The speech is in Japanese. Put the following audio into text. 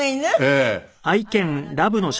ええ。